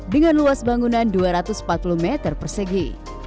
dengan luas bangunan dua ratus empat puluh meter persegi